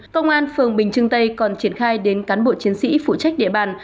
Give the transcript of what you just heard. công an phường bình trưng tây còn triển khai đến cán bộ chiến sĩ phụ trách địa bàn